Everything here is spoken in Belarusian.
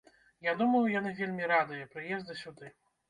Я думаю, яны вельмі радыя прыезду сюды.